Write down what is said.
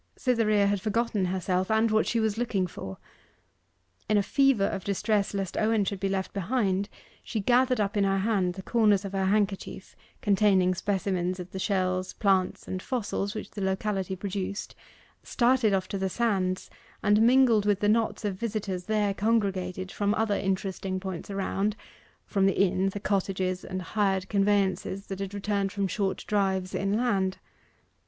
Cytherea had forgotten herself, and what she was looking for. In a fever of distress lest Owen should be left behind, she gathered up in her hand the corners of her handkerchief, containing specimens of the shells, plants, and fossils which the locality produced, started off to the sands, and mingled with the knots of visitors there congregated from other interesting points around; from the inn, the cottages, and hired conveyances that had returned from short drives inland.